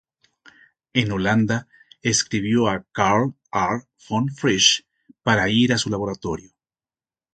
En Holanda, escribió a Karl R. von Frisch para ir a su laboratorio.